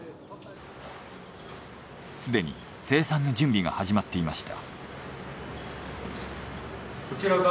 すでに生産の準備が始まっていました。